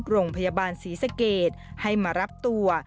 โรงพยาบาลศรีสเกตให้มารับตัว